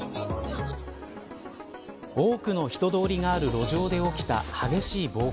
多くの人通りがある路上で起きた激しい暴行。